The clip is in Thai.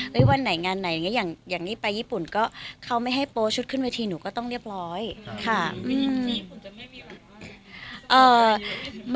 วันไหนงานไหนอย่างนี้ไปญี่ปุ่นก็เขาไม่ให้โป๊ชุดขึ้นเวทีหนูก็ต้องเรียบร้อยค่ะ